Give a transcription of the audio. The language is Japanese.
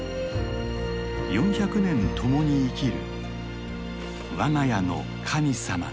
４００年共に生きる我が家の神様の木だ。